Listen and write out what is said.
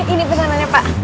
ini pesanannya pak